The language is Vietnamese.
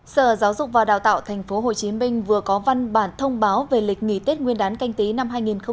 sở giáo dục và đào tạo tp hcm vừa có văn bản thông báo về lịch nghỉ tết nguyên đán canh tí năm hai nghìn hai mươi